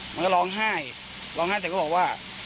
มันก็ร้องไห้ร้องไห้แต่ก็บอกว่า